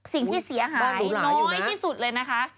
สิ่งที่เสียหายน้อยที่สุดเลยนะคะ